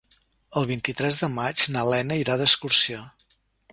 El vint-i-tres de maig na Lena irà d'excursió.